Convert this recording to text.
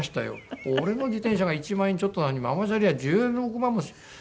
俺の自転車が１万円ちょっとなのにママチャリは１６万も。